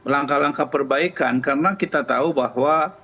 langkah langkah perbaikan karena kita tahu bahwa